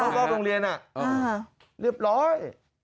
นอกโรงเรียนเรียบร้อย